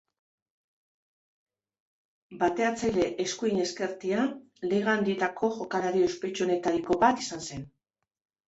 Bateatzaile eskuin-ezkertia, Liga Handietako jokalari ospetsuenetariko bat izan zen.